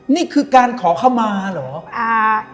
นี่คือการขอเข้ามาเหรอ